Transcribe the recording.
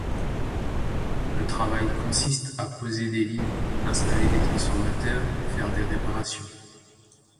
Le travail consiste à poser des lignes, installer des transformateurs, faire des réparations.